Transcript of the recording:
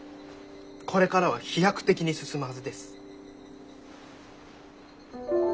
これからは飛躍的に進むはずです。